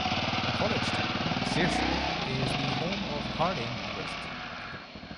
A college town, Searcy is the home of Harding University.